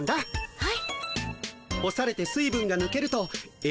はい。